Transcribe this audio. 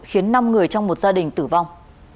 khiến năm người trong một gia đình tử vong